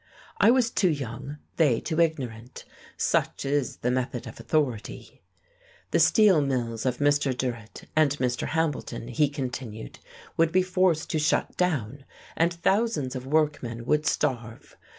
I was too young, they too ignorant. Such is the method of Authority! The steel mills of Mr. Durrett and Mr. Hambleton, he continued, would be forced to shut down, and thousands of workmen would starve.